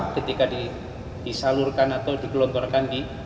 itu bisa disalurkan atau dikelongkorkan di